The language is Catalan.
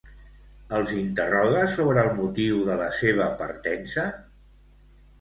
Els interroga sobre el motiu de la seva partença?